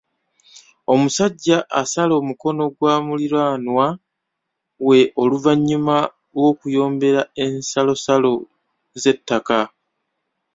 Omusajja asala omukono gwa muliraanwa we oluvannyuma lw'okuyombera ensalosalo z'ettaka.